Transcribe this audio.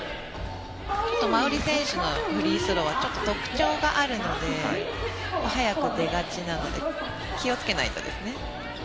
馬瓜選手のフリースローは特徴があって早く出がちなので気をつけないとですね。